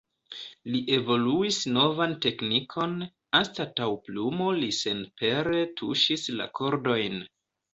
Li evoluis novan teknikon, anstataŭ plumo li senpere tuŝis la kordojn.